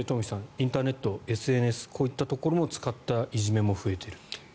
インターネット、ＳＮＳこういったところを使ったいじめも増えていると。